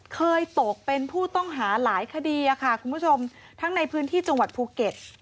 เคยตกเป็นผู้ต้องหาหลายคดีค่ะคุณผู้ชมทั้งในพื้นที่จังหวัดภูเก็ต